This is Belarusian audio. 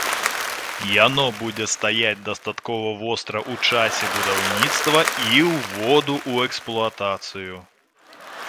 Яно будзе стаяць дастаткова востра ў часе будаўніцтва і ўводу ў эксплуатацыю.